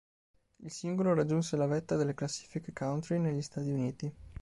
Il singolo raggiunse la vetta delle classifiche country negli Stati Uniti.